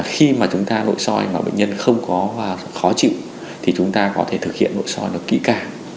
khi mà chúng ta nội soi mà bệnh nhân không có và khó chịu thì chúng ta có thể thực hiện nội soi nó kỹ càng